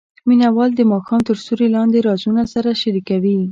مینه وال د ماښام تر سیوري لاندې رازونه سره شریکوي.